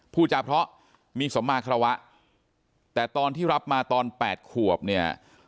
พูดจาเพราะมีสมมาคารวะแต่ตอนที่รับมาตอน๘ขวบเนี่ย